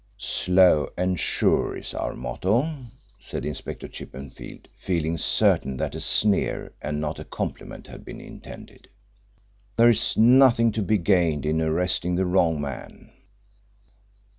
"Slow and sure is our motto," said Inspector Chippenfield, feeling certain that a sneer and not a compliment had been intended. "There is nothing to be gained in arresting the wrong man."